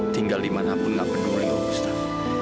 tinggal dimanapun gak peduli om gustaf